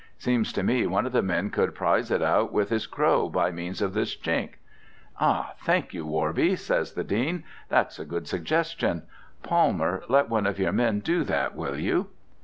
Seems to me one of the men could prize it out with his crow by means of this chink.' 'Ah! thank you, Worby,' says the Dean; 'that's a good suggestion. Palmer, let one of your men do that, will you?'